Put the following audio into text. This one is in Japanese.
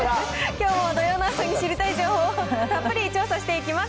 きょうも土曜の朝に知りたい情報をたっぷり調査していきます。